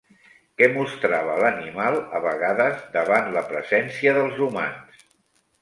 Què mostrava l'animal a vegades davant la presència dels humans?